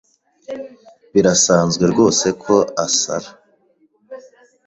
Birasanzwe rwose ko asara.